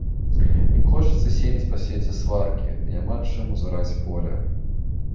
Ім хочацца сеяць па свеце сваркі, ды няма чым узараць поле.